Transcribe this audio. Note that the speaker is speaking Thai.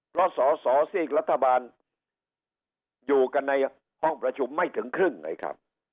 เพราะสอสอซีกรัฐบาลอยู่กันในห้องประชุมไม่ถึงครึ่งไงครับ